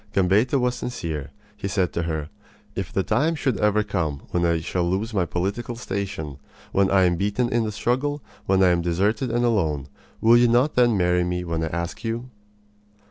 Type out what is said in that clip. Gambetta was sincere. He said to her: "If the time should ever come when I shall lose my political station, when I am beaten in the struggle, when I am deserted and alone, will you not then marry me when I ask you?"